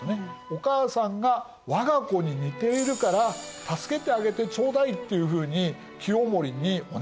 お母さんが「我が子に似ているから助けてあげてちょうだい」っていうふうに清盛にお願いした。